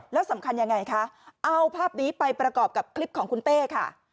แล้วสำคัญยังไงคะเอาภาพนี้ไปประกอบกับคลิปของคุณเต้ค่ะ